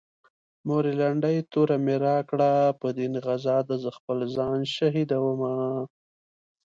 مورې لنډۍ توره مې راکړه په دين غزا ده زه خپل ځان شهيدومه